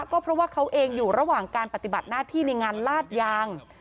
ก็เพราะว่าเขาเองอยู่ระหว่างการปฏิบัติหน้าที่ในงานลาดยาง